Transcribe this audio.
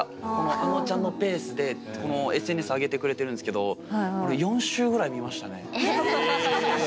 あのちゃんのペースでＳＮＳ上げてくれてるんですけど４周した？